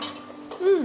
うん。